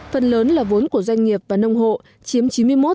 phần lớn là vốn của doanh nghiệp và nông hộ chiếm chín mươi một